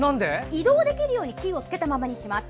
移動できるようにつけたままにします。